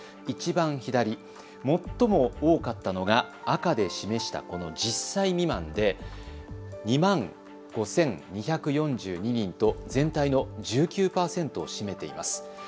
いちばん左、最も多かったのが赤で示した、この１０歳未満で２万５２４２人と全体の１９％を占めています。